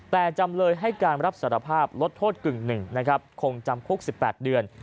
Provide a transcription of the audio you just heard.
แต่จำเลยให้การรับสารภาพลดโทษกึ่งหนึ่งนะครับคงจำคุก๑๘เดือน